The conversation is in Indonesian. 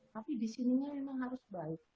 tapi disininya memang harus baik